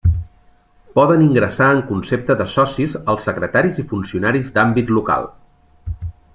Poden ingressar en concepte de socis els secretaris i funcionaris d’àmbit local.